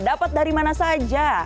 dapat dari mana saja